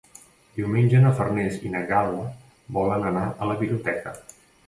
Diumenge na Farners i na Gal·la volen anar a la biblioteca.